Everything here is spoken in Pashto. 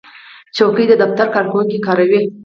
چوکۍ د دفتر کارکوونکي کاروي.